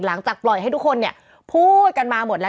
หลังจากปล่อยให้ทุกคนเนี่ยพูดกันมาหมดแล้ว